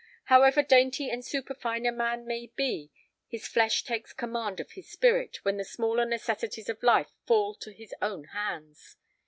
However dainty and superfine a man may be, his flesh takes command of his spirit when the smaller necessities of life fall to his own hands.